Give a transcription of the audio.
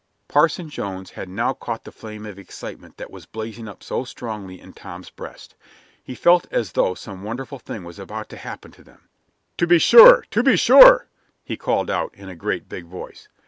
Parson Jones had now caught the flame of excitement that was blazing up so strongly in Tom's breast. He felt as though some wonderful thing was about to happen to them. "To be sure, to be sure!" he called out, in a great big voice.